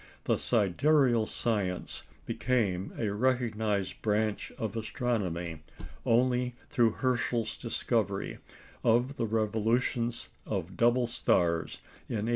For sidereal science became a recognised branch of astronomy only through Herschel's discovery of the revolutions of double stars in 1802.